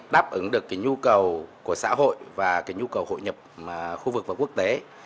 đáp ứng được cái nhu cầu của xã hội và cái nhu cầu hội nhập khu vực và quốc tế